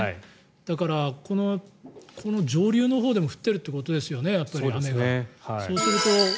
だからこの上流のほうでも降っているということですね。